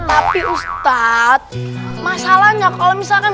tapi ustadz masalahnya kalau misalkan